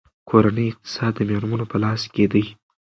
کورنۍ اقتصاد د میرمنو په لاس کې دی.